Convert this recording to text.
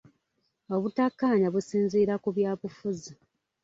Obutakkaanya businziira ku byabufuzi.